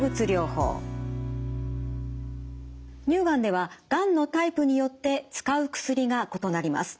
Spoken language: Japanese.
乳がんではがんのタイプによって使う薬が異なります。